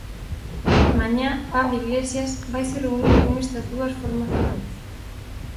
Mañá Pablo Iglesias vaise reunir con estas dúas formacións.